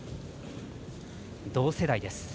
同世代です。